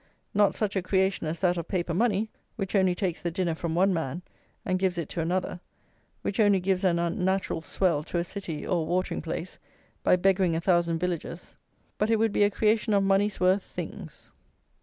Not such a creation as that of paper money, which only takes the dinner from one man and gives it to another, which only gives an unnatural swell to a city or a watering place by beggaring a thousand villages; but it would be a creation of money's worth things.